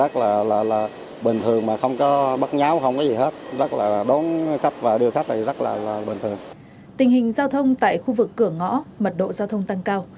tình hình giao thông tại khu vực cửa ngõ mật độ giao thông tăng cao